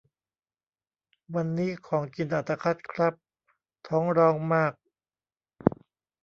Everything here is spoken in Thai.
วันนี้ของกินอัตคัดครับ ท้องร้องมาก